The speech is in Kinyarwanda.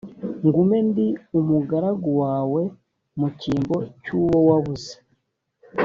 ngume ndi umugaragu wawe mu cyimbo cy’uwo wabuze